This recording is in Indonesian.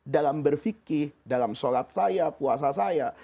dalam berfikir dalam sholat saya puasa saya